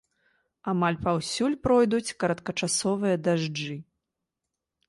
Амаль паўсюль пройдуць кароткачасовыя дажджы.